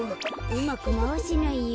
うまくまわせないよ。